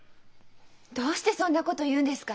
どうしてそんなこと言うんですか？